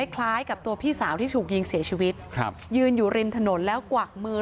คล้ายกับตัวพี่สาวที่ถูกยิงเสียชีวิตครับยืนอยู่ริมถนนแล้วกวักมือ